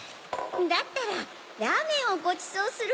だったらラーメンをごちそうするネ。